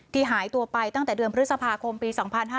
หายตัวไปตั้งแต่เดือนพฤษภาคมปี๒๕๕๙